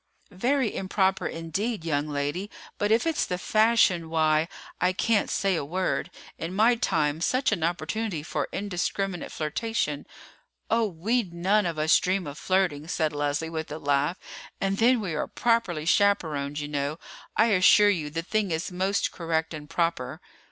"Very improper, indeed, young lady; but if it's the fashion, why, I can't say a word. In my time such an opportunity for indiscriminate flirtation——" "Oh, we none of us dream of flirting," said Leslie with a laugh; "and then we are properly chaperoned, you know. I assure you the thing is most correct and proper."